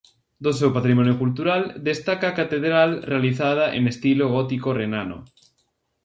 Do seu patrimonio cultural destaca a catedral realizada en estilo gótico renano.